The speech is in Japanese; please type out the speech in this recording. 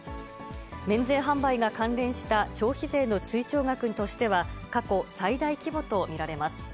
免税販売が関連した消費税の追徴額としては過去最大規模と見られます。